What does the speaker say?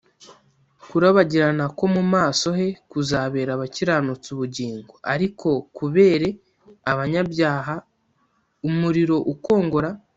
kurabagirana ko mu maso he kuzabera abakiranutsi ubugingo, ariko kubere abanyabyaha umuriro ukongora